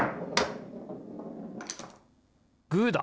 グーだ！